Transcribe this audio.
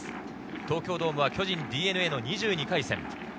東京ドームは巨人対ＤｅＮＡの２２回戦。